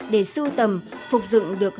để sưu tầm phục dựng được